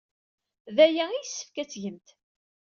D aya ay yessefk ad t-tgemt.